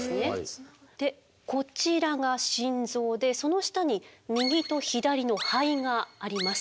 でこちらが心臓でその下に右と左の肺があります。